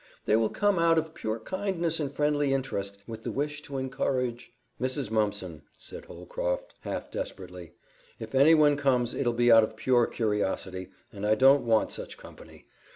"They will come out of pure kindness and friendly interest, with the wish to encourage " "Mrs. Mumpson," said Holcroft, half desperately, "if anyone comes it'll be out of pure curiosity, and I don't want such company.